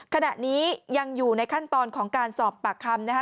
ขณะนี้ยังอยู่ในขั้นตอนของการสอบปากคำนะคะ